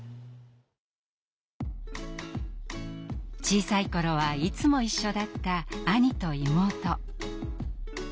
小さい頃はいつも一緒だった兄と妹。